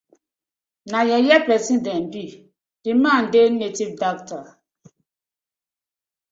Na yeye pesin dem bi, di man dey native dokta.